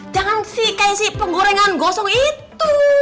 jangan sih kayak si penggorengan gosong itu